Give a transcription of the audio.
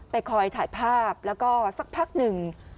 คอยถ่ายภาพแล้วก็สักพักหนึ่ง